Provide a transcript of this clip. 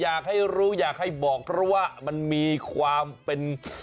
อยากให้รู้อยากให้บอกเพราะว่ามันมีความเป็น